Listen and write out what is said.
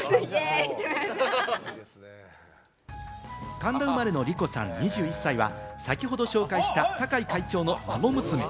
神田生まれ梨子さん、２１歳は先程紹介した坂井会長の孫娘。